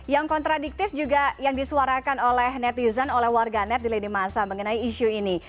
yang kontradiktif juga yang disuarakan oleh netizen oleh warganet di lini masa mengenai isu ini